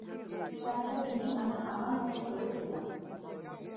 সারাটা দিনই আমি আমার মত করে ছিলাম।